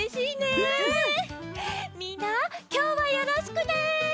みんなきょうはよろしくね。